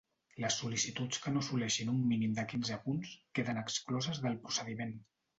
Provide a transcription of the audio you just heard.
Les sol·licituds que no assoleixin un mínim de quinze punts queden excloses del procediment.